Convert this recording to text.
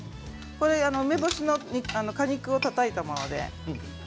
梅干しの果肉をたたいたものです。